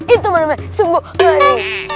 itu mananya sungguh gani